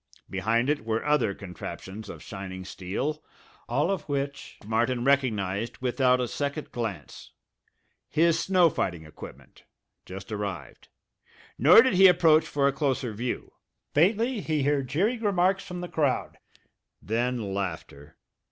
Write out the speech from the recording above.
Behind it were other contraptions of shining steel, all of which Martin recognized without a second glance his snow fighting equipment, just arrived. Nor did he approach for a closer view. Faintly he heard jeering remarks from the crowd; then laughter.